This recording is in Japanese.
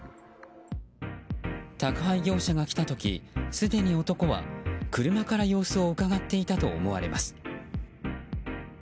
宅配業者が来た時、すでに男は車から様子をうかがっていたと思われます。